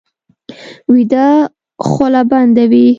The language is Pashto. ویده خوله بنده وي